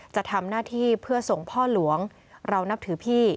จะทำหน้าที่เพื่อส่งพ่อหลวงเรานับถือพี่